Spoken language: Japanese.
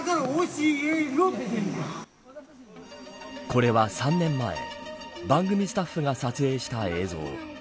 これは３年前番組スタッフが撮影した映像。